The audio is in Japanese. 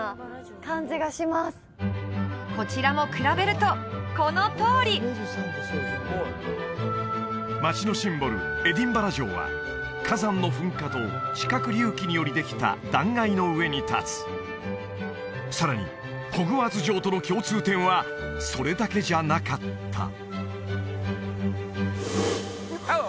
こちらも比べるとこのとおり街のシンボルエディンバラ城は火山の噴火と地殻隆起によりできた断崖の上に立つさらにホグワーツ城との共通点はそれだけじゃなかったハロー！